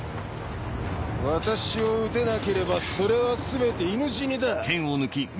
私を討てなければそれは全て犬死にだ！